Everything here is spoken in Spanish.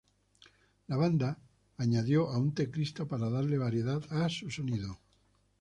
La banda añadió a un teclista para darle variedad a su sonido.